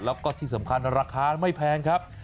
แล้วก็ที่สำคัญราคาไม่แพงครับ